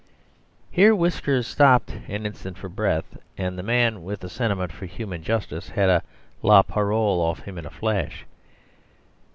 Here Whiskers stopped an instant for breath; and the man with the sentiment for human justice had "la parole" off him in a flash.